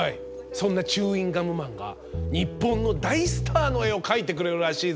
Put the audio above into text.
そんなチューインガムマンが日本の大スターの絵を描いてくれるらしいぞ！